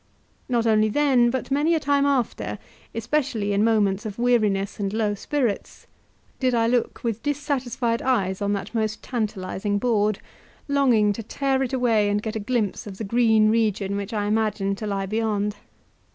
Not only then, but many a time after, especially in moments of weariness and low spirits, did I look with dissatisfied eyes on that most tantalizing board, longing to tear it away and get a glimpse of the green region which I imagined to lie beyond.